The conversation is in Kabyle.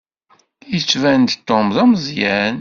Yettban-d Tom d ameẓẓyan.